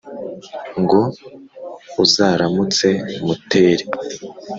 ngo uzaramutse muteri,